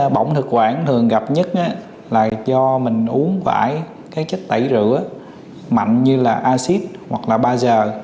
bỏng thực quản thường gặp nhất là do mình uống vải các chất tẩy rửa mạnh như là acid hoặc là bazar